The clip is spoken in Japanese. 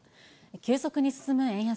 急速に進む円安。